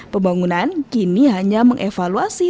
pembangunan kini hanya mengevaluasi